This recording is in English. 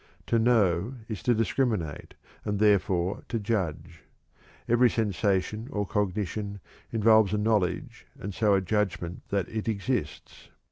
To know is to discriminate and, therefore, to judge. Every sensation or cognition involves a knowledge and so a judgment that it exists.